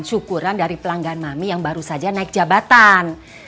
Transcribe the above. syukuran dari pelanggan mami yang baru saja naik jabatan